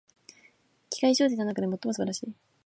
怪奇小説の中で最も素晴らしい